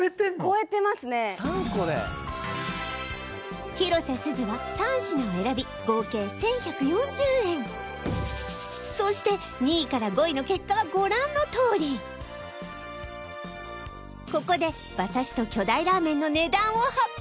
超えてますね３個で広瀬すずは３品を選びそして２位から５位の結果はご覧のとおりここで馬刺しと巨大ラーメンの値段を発表